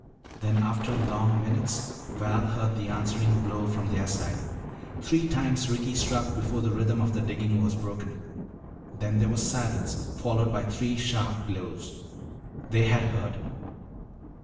Then, after long minutes, Val heard the answering blow from their side. Three times Ricky struck before the rhythm of the digging was broken. Then there was silence followed by three sharp blows. They had heard!